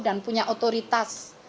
dan punya otoritas